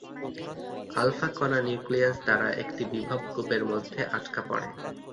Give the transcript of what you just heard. Alpha কণা nucleus দ্বারা একটি বিভব কূপের মধ্যে আটকা পড়ে।